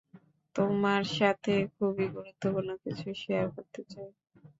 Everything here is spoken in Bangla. তোমার সাথে খুবই গুরুত্বপূর্ণ কিছু শেয়ার করতে চাই।